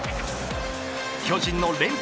巨人の連敗